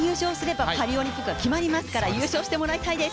ここで優勝すればパリオリンピックが決まりますから優勝してもらいたいです。